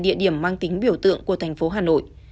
địa điểm mang tính biểu tượng của thành phố hà nội